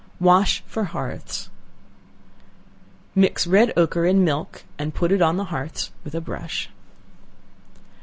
Wash for Hearths. Mix red ochre in milk, and put it on the hearths with a brush.